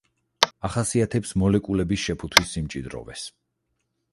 ახასიათებს მოლეკულების შეფუთვის სიმჭიდროვეს.